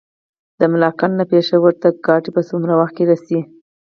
د ملاکنډ نه پېښور ته ګاډی په څومره وخت کې رسي؟